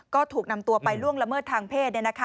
ก็ถูกนำตัวไปล่วงละเมิดทางเพศ